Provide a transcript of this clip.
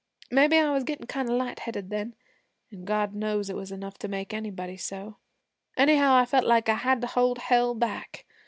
Maybe I was gettin' kind of lightheaded then, an' God knows it was enough to make anybody so; anyhow, I felt like I had to hold Hell back.